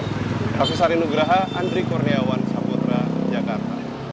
profesor indugraha andri kurniawan sabutra jakarta